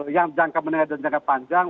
yang jangka menengah dan jangka panjang